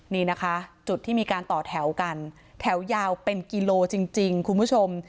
นี่นะคะจุดที่มีการต่อแถวกันแถวยาวเป็นกิโลจริงคุณผู้ชม